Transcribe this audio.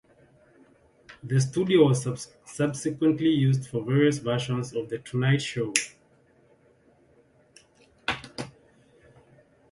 The studio was subsequently used for various versions of "The Tonight Show".